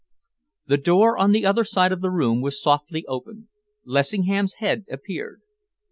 The door on the other side of the room was softly opened. Lessingham's head appeared.